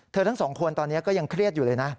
ทั้งสองคนตอนนี้ก็ยังเครียดอยู่เลยนะ